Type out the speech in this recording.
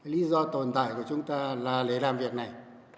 lý do tồn tại của chúng ta là để làm việc này